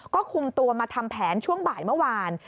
ก็คุมตัวมาทำแผนช่วงบ่ายเมื่อวาน